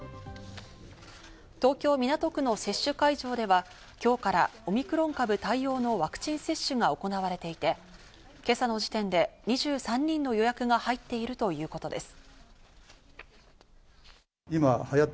東京・港区の接種会場では今日からオミクロン株対応のワクチン接種が行われていて、今朝の時点で２３人の予約が入っているということです。